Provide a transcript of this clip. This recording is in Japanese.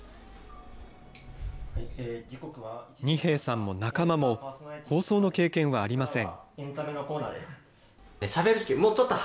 二瓶さんも仲間も、放送の経験はありません。